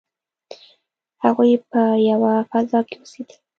هغوی په یوه فضا کې اوسیدل.